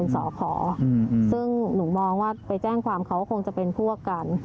ซึ่งหนูมองว่าไปแจ้งความเขาก็คงจะเป็นพวกกัน